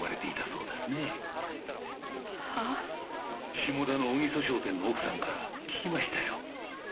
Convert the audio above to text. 下田の小木曽商店の奥さんから聞きましたよ。